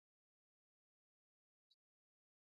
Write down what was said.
افغانستان کې پسرلی د خلکو د خوښې وړ ځای دی.